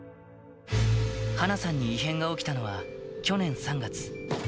華さんに異変が起きたのは去年３月。